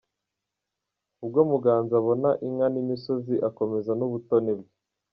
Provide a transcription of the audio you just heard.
Ubwo Muganza abona inka n’imisozi akomeza n’ubutoni bwe .